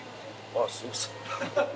あっすいません。